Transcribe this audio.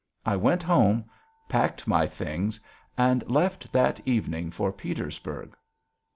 I went home, packed my things, and left that evening for Petersburg.